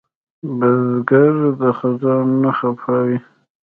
بزګر د خزان نه خفه وي